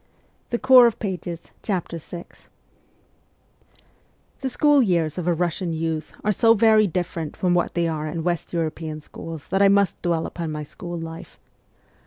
VI THE school years of a Russian youth are so very different from what they are in West European schools that I must dwell upon my school life.